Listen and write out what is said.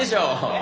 え？